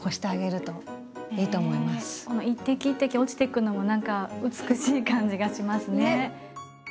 この一滴一滴落ちていくのも何か美しい感じがしますね。